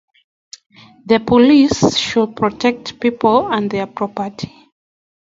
The police should protect people and their property.